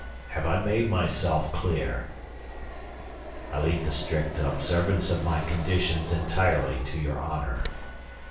Have I made myself clear? I leave the strict observance of my conditions entirely to your honor.